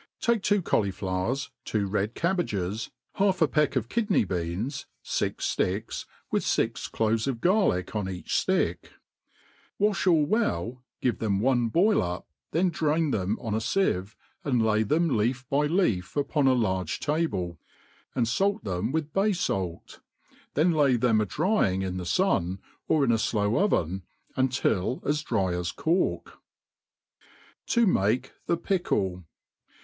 \■'*, TAKE two cauliflowers, two red cahbages^ half a peck of Wdney bcana, fix fticks, with fijc cloven of gariick on each ftick • wa(h all well, give them one boil up, then drain them on aVicve, and lay them leaf by leaf upon* large table, and fait them with bay falt j then |ay them a dryingfai the fun^ or in a flow OTcn, until as dry as cork.' •• ft a To make the PicUe.